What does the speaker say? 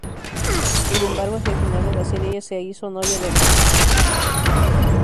Sin embargo, hacia el final de la serie ella se hizo novia de Matt.